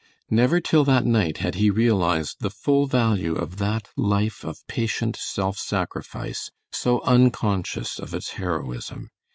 Never till that night had he realized the full value of that life of patient self sacrifice, so unconscious of its heroism.